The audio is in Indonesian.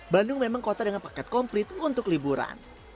bandung memang kota dengan paket komplit untuk liburan